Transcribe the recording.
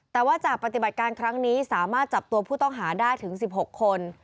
แต่ว่าจากปฏิบัติการครั้งนี้สามารถจับตัวผู้ต้องหาได้ถึง๑๖คน